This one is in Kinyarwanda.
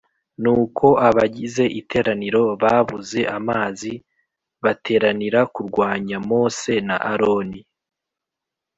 Nuko abagize iteraniro babuze amazi b bateranira kurwanya mose na aroni